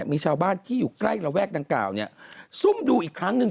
มีชาวบ้านที่อยู่ใกล้ระแวกดังกล่าวเนี่ยซุ่มดูอีกครั้งหนึ่ง